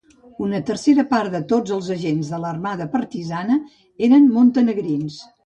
Una tercera part de tots els agents de l"armada partisana eren montenegrins.